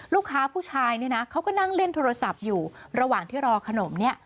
ผู้ชายเนี่ยนะเขาก็นั่งเล่นโทรศัพท์อยู่ระหว่างที่รอขนมเนี่ย